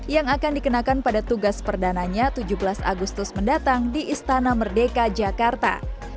yang akan dikenakan pada tugas perdananya tujuh belas agustus mendatang di istana merdeka jakarta